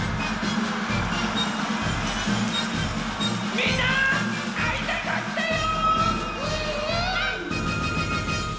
みんなあいたかったよ！